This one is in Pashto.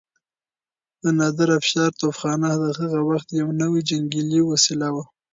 د نادرافشار توپخانه د هغه وخت يو نوی جنګي وسيله وه.